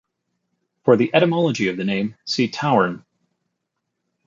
For the etymology of the name, see Tauern.